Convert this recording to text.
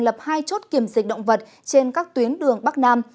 lập hai chốt kiểm dịch động vật trên các tuyến đường bắc nam